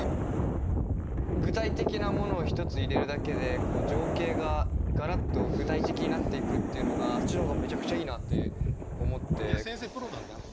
具体的なものを１つ入れるだけでこう情景がガラッと具体的になっていくっていうのがそっちの方がめちゃくちゃいいなって思って。